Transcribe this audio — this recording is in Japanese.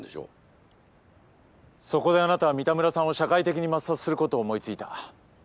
そこであなたは三田村さんを社会的に抹殺することを思い付いた。